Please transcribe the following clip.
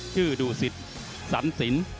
ชื่อดูสิทธิ์สันสิน